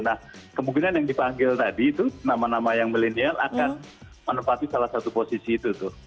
nah kemungkinan yang dipanggil tadi itu nama nama yang milenial akan menempati salah satu posisi itu tuh